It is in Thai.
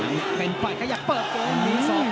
ยังตีได้ไม่ถนัดเลยนะคะปากกาเล็ก